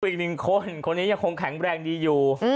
อีกหนึ่งคนคนนี้ยังคงแข็งแรงดีอยู่